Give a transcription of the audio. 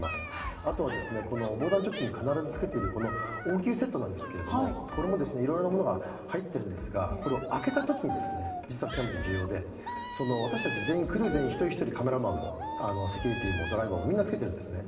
あとは、防弾チョッキに必ずつけている応急セットなんですけれどもこれもいろいろなものが入っているんですが、これを開けたときに、実は極めて重要で私たち全員クルー全員一人一人、カメラマンもセキュリティーもドライバーもみんなつけているんですね。